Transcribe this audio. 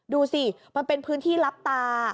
ดูสิมันเป็นพื้นที่รับตา